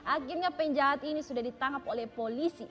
akhirnya penjahat ini sudah ditangkap oleh polisi